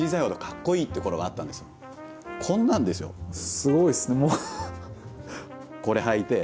すごいですねもう。